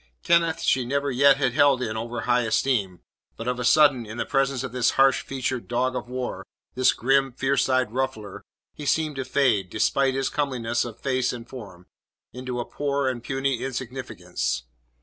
Kenneth she never yet had held in over high esteem; but of a sudden, in the presence of this harsh featured dog of war, this grim, fierce eyed ruffler, he seemed to fade, despite his comeliness of face and form, into a poor and puny insignificance.